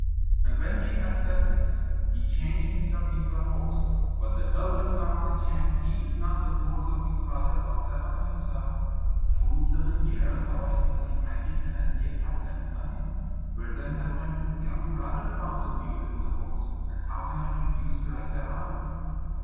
And when he had said thus, he changed himself into a horse. But the elder son of the Chan heeded not the words of his brother, but said unto himself: "Full seven years have I studied magic, and as yet have learned nothing. Where, then, has my young brother found so beautiful a horse? and how can I refuse to ride thereon?"